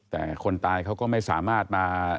แต่คนตายเขาก็ไม่สามารถมา